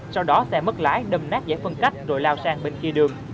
sau đó xe mất lái đâm nát giải phân cách rồi lao sang bên kia đường